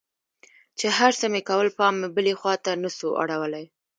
چې هرڅه مې کول پام مې بلې خوا ته نه سو اړولى.